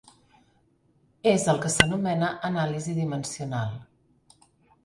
És el que s'anomena anàlisi dimensional.